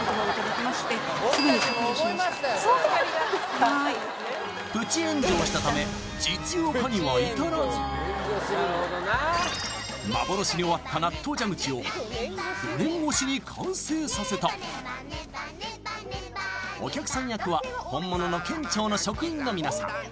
はいプチ炎上したため幻に終わった納豆蛇口を４年越しに完成させたお客さん役は本物の県庁の職員の皆さん